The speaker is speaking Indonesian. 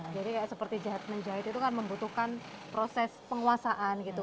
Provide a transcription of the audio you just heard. jadi seperti jahit menjahit itu kan membutuhkan proses penguasaan gitu